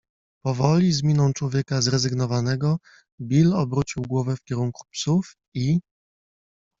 Powoli, z miną człowieka zrezygnowanego, Bill obrócił głowę w kierunku psów i